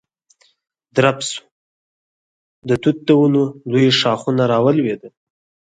درب شو، د توت د ونو لوی ښاخونه را ولوېدل.